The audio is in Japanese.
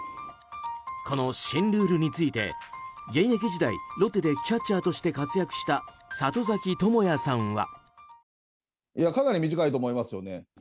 この新ルールについて現役時代ロッテでキャッチャーとして活躍した里崎智也さんは。